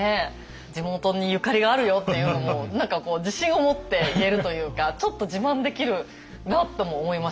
地元にゆかりがあるよっていうのも何か自信を持って言えるというかちょっと自慢できるなとも思いました。